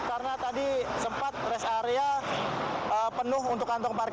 karena tadi sempat res area penuh untuk kantong parkir